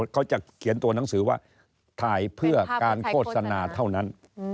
เขาจะเขียนตัวหนังสือว่าถ่ายเพื่อการโฆษณาเท่านั้น